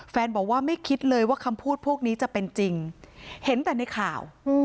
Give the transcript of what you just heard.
บอกว่าไม่คิดเลยว่าคำพูดพวกนี้จะเป็นจริงเห็นแต่ในข่าว